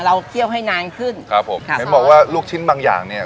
เคี่ยวให้นานขึ้นครับผมค่ะเห็นบอกว่าลูกชิ้นบางอย่างเนี้ย